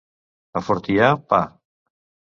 A Fortià, pa.